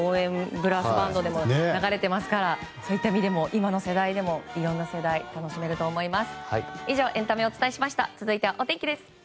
ブラスバンドでも流れていますからそういった意味でも今の世代でもいろんな世代が楽しめると思います。